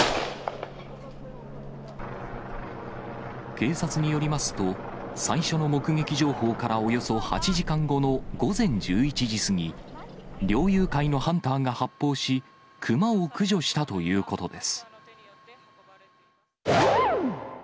警察によりますと、最初の目撃情報からおよそ８時間後の午前１１時過ぎ、猟友会のハンターが発砲し、クマを駆除したということです。